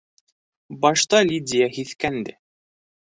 Башта Лидия һиҫкәнде.